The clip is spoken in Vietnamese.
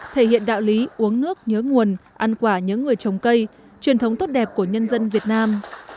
thể hiện đạo lý uống nước nhớ nguồn ăn quả nhớ người trồng cây truyền thống tốt đẹp của nhân dân việt nam